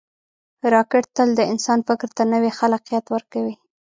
راکټ تل د انسان فکر ته نوی خلاقیت ورکوي